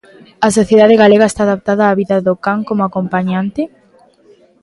A sociedade galega está adaptada á vida do can como acompañante?